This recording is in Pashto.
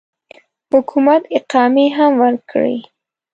حکومت اقامې هم ورکړي.